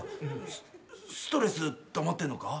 スストレスたまってんのか？